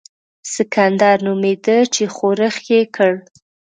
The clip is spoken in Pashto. سکندر نومېدی چې ښورښ یې کړ.